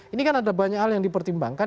ini kan ada banyak hal yang dipertimbangkan